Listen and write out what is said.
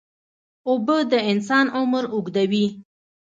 اوبه د انسان عمر اوږدوي.